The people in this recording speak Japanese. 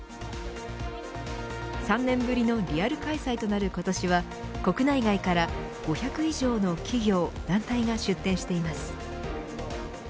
３年ぶりのリアル開催となる今年は国内外から５００以上の企業、団体が出展しています。